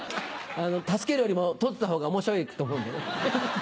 助けるよりも撮ってたほうが面白いと思うんでね。